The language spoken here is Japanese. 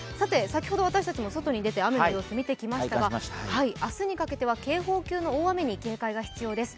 先ほど私たちも外に出て雨の様子を見てきましたが明日にかけては警報級の大雨に警戒が必要です。